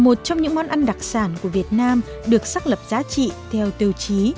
một trong những món ăn đặc sản của việt nam được xác lập giá trị theo tiêu chí